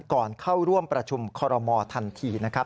ก่อนเข้าร่วมประชุมคอรมอทันทีนะครับ